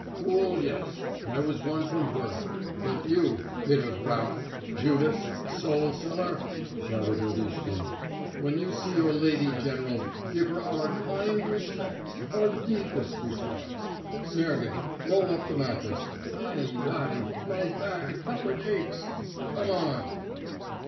"Fool; yes, I was one from birth, but you, bit of rabble, Judas, soul seller!" shouted Lodishkin. "When you see your lady general, give her our kind respects, our deepest respects. Sergey, roll up the mattress. Ai, ai, my back, how it aches! Come on."